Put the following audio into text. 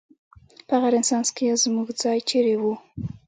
په هغه رنسانس کې زموږ ځای چېرې و؟